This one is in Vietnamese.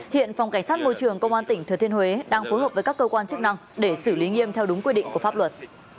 hiện phòng cảnh sát môi trường công an tỉnh thừa thiên huế đang phối hợp với các cơ quan chức năng để xử lý nghiêm theo đúng quy định của pháp luật